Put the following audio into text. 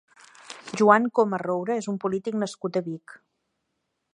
Joan Coma Roura és un polític nascut a Vic.